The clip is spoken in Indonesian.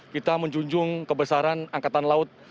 kita menjunjung kebesaran angkatan laut